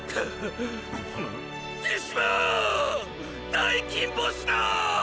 大金星だ！！